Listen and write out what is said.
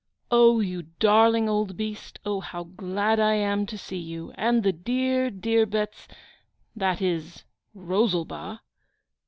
'Oh, you darling old beast, oh, how glad I am to see you, and the dear, dear Bets that is, Rosalba.